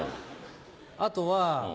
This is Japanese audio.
あとは。